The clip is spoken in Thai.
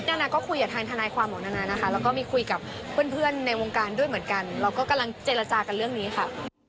นานาก็คุยกับทางทนายความของนานานะคะแล้วก็มีคุยกับเพื่อนในวงการด้วยเหมือนกันเราก็กำลังเจรจากันเรื่องนี้ค่ะ